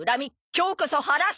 今日こそ晴らす！